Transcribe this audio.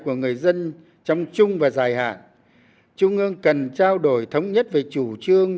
của người dân trong chung và dài hạn trung ương cần trao đổi thống nhất về chủ trương